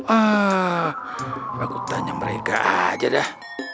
ah aku tanya mereka aja dah